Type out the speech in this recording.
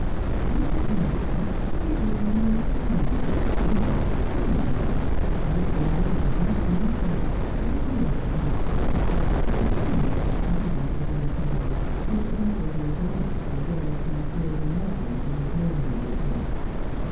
In society, Hannaford was an entertaining, sometimes a charming, man, with a flow of well informed talk, of agreeable anecdote; his friends liked to have him at the dinner table; he could never be at a loss for a day or two's board and lodging when his home wearied him.